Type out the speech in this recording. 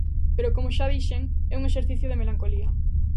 Pero, como xa dixen, é un exercicio de melancolía.